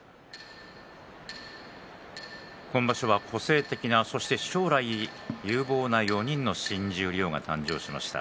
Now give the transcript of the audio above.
今場所、個性的なそして将来有望な４人の新十両が誕生しました。